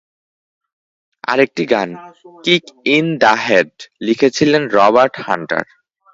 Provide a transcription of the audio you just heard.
আরেকটি গান, "kick in the head", লিখেছিলেন রবার্ট হান্টার।